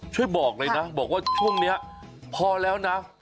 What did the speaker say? ช่วยบอกเลยนะบอกว่าช่วงนี้พอแล้วนะ